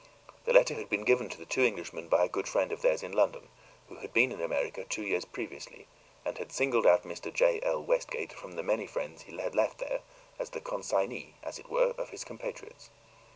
The letter had been given to the two Englishmen by a good friend of theirs in London, who had been in America two years previously, and had singled out Mr. J. L. Westgate from the many friends he had left there as the consignee, as it were, of his compatriots.